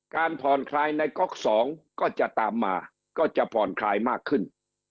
การผ่อนคลายในก๊อก๒ก็จะตามมาก็จะผ่อนคลายมากขึ้น